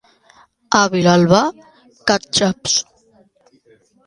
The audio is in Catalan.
A Vilalba, catxaps.